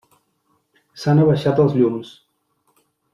S'han abaixat els llums.